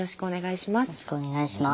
よろしくお願いします。